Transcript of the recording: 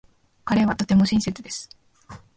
彼はとても親切です。